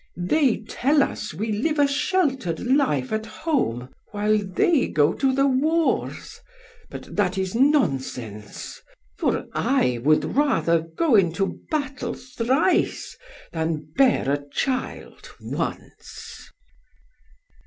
They tell us we live a sheltered life at home while they go to the wars; but that is nonsense. For I would rather go into battle thrice than bear a child once." [Footnote: Euripides, Med. 230.